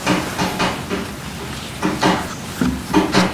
En el siguiente recuadro se verán algunos ejemplos